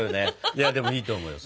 いやでもいいと思うよ。